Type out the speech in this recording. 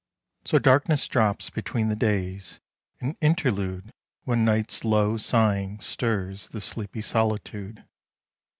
So darkness drops between the days, an interlude When night's low sighing stirs the sleepy solitude.